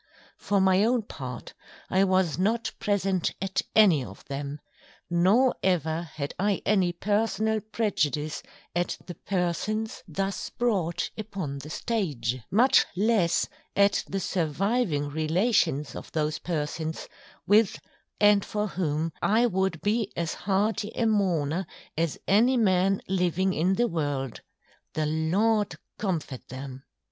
For my own part, I was not present at any of them; nor ever had I any Personal prejudice at the Persons thus brought upon the Stage; much less at the Surviving Relations of those Persons, with and for whom I would be as hearty a Mourner as any Man living in the World: _The Lord Comfort them!